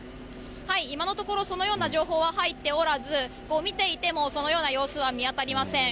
今のところ、そのような情報は入っておらず、見ていてもそのような様子は見当たりません。